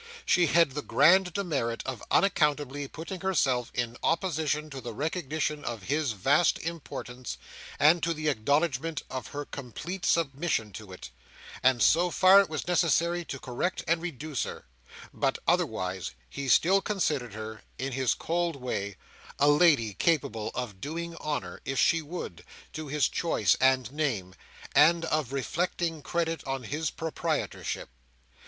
She had the grand demerit of unaccountably putting herself in opposition to the recognition of his vast importance, and to the acknowledgment of her complete submission to it, and so far it was necessary to correct and reduce her; but otherwise he still considered her, in his cold way, a lady capable of doing honour, if she would, to his choice and name, and of reflecting credit on his proprietorship.